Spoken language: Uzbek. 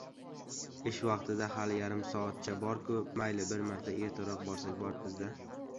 — Ish vaqtiga hali yarim soatcha bor-u, mayli, bir marta ertaroq borsak boribmiz-da!